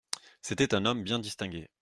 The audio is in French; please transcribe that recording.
C’était un homme bien distingué.